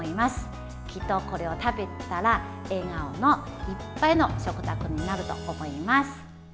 きっとこれを食べたら笑顔いっぱいの食卓になると思います。